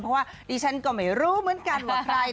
เพราะว่าดิฉันก็ไม่รู้เหมือนกันว่าใคร